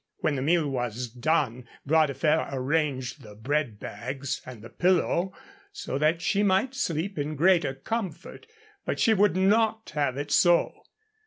When the meal was done, Bras de Fer arranged the bread bags and the pillow so that she might sleep in greater comfort, but she would not have it so.